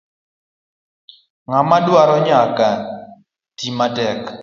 Ng'ama dwaro nyaka ti matek.